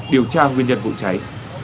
điều tra nguyên nhân vụ cháy